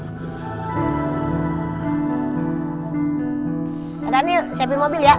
pak daniel siapin mobil ya